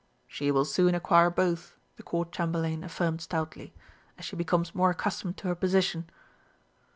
"She will soon acquire both," the Court Chamberlain affirmed stoutly, "as she becomes more accustomed to her position."